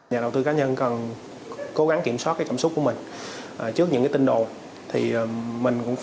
nhà đầu tư cần cố gắng kiểm soát cảm xúc của mình trước những tin đồn